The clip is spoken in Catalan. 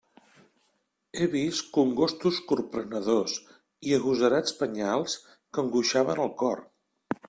He vist congostos corprenedors i agosarats penyals que angoixaven el cor.